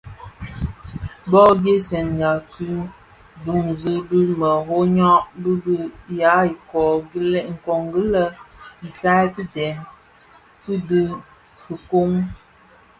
Bōō ghèsènga ki dhōňzi bi meroňa më bë ya iköö gilèn i isal ki dèm dhi fikoň.